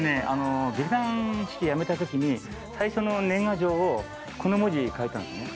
劇団四季やめたときに最初の年賀状をこの文字書いたんですね。